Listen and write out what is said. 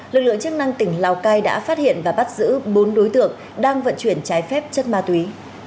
lực lượng chức năng tỉnh lào cai đã phát hiện và bắt giữ bốn đối tượng đang vận chuyển trái phép chất ma túy